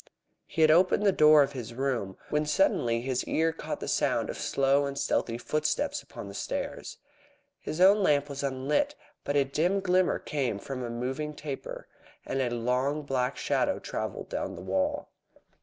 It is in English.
He had opened the door of his room, when suddenly his ear caught the sound of slow and stealthy footsteps upon the stairs. His own lamp was unlit, but a dim glimmer came from a moving taper, and a long black shadow travelled down the wall.